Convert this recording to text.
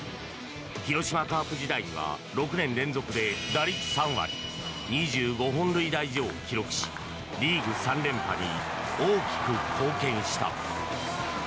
広島カープ時代には６年連続で打率３割、２５本塁打以上を記録しリーグ３連覇に大きく貢献した。